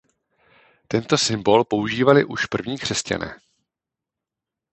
Tento symbol používali už první křesťané.